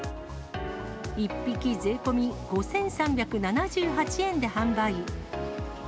１匹税込み５３７８円で販売。